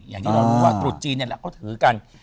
อย่างที่เรารู้ว่าตรุษจีนนี่แหละเขาถือกัน